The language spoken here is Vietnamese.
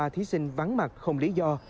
bảy mươi ba thí sinh vắng mặt không lý do